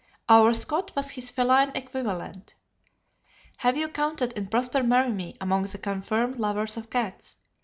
Our Scot was his feline equivalent.... Have you counted in Prosper Merimée among the confirmed lovers of cats?